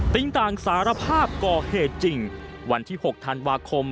ต่างสารภาพก่อเหตุจริงวันที่๖ธันวาคม